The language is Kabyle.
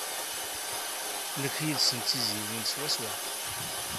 Nekk yid-sen d tizziwin swaswa.